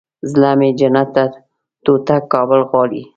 زړه مې جنت ټوټه کابل غواړي